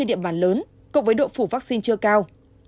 trên điện bản lớn cộng với độ phủ vaccine chưa cao